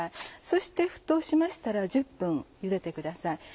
そして沸騰しましたら１０分ゆでてください。